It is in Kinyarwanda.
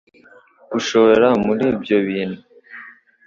UShora muri ibyo bintu.